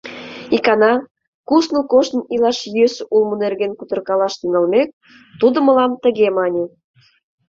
Икана, кусныл коштын илаш йӧсӧ улмо нерген кутыркалаш тӱҥалмек, тудо мылам тыге мане: